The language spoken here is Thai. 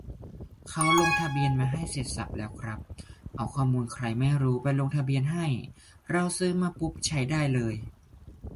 เขาลงทะเบียนมาให้เสร็จสรรพแล้วครับ เอาข้อมูลใครไม่รู้ไปลงทะเบียนให้ เราซื้อมาปุ๊บใช้ได้เลย